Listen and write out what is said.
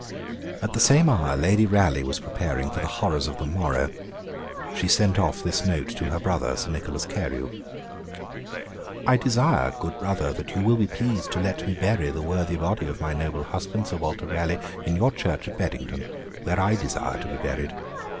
At the same hour Lady Raleigh was preparing for the horrors of the morrow. She sent off this note to her brother, Sir Nicholas Carew: I desire, good brother, that you will be pleased to let me bury the worthy body of my noble husband, Sir Walter Raleigh, in your church at Beddington, where I desire to be buried.